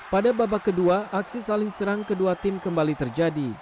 pada babak kedua aksi saling serang kedua tim kembali terjadi